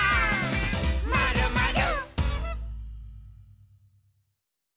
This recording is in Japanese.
「まるまる」